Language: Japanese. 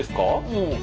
うん。